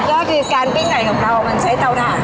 ก็คือการปิ้งไก่ของเรามันใช้เตาถ่าน